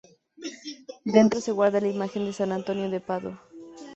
Dentro se guarda la imagen de San Antonio de Padua.